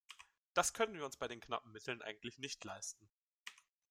Das können wir uns bei den knappen Mitteln eigentlich nicht leisten.